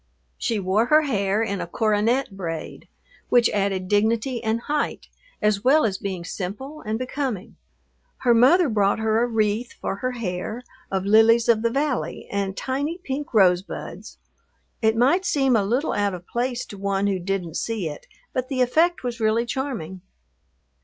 She wore her hair in a coronet braid, which added dignity and height, as well as being simple and becoming. Her mother brought her a wreath for her hair, of lilies of the valley and tiny pink rosebuds. It might seem a little out of place to one who didn't see it, but the effect was really charming.